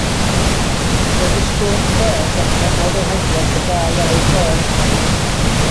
Wedi sgwrs fer danfonodd yr heddwas y ddau ar eu ffordd.